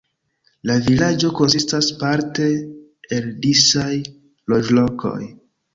La vilaĝo konsistas parte el disaj loĝlokoj.